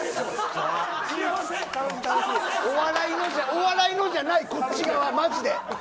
お笑いのじゃないこっち側、マジで。